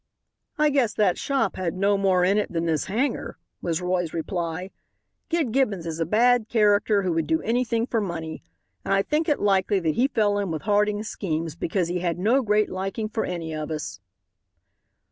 "I guess that shop had no more in it than this hangar," was Roy's reply. "Gid Gibbons is a bad character who would do anything for money, and I think it likely that he fell in with Harding's schemes because he had no great liking for any of us."